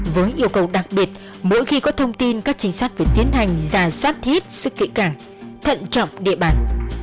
với yêu cầu đặc biệt mỗi khi có thông tin các trinh sát phải tiến hành ra soát hết sức kỹ cảng thận trọng địa bàn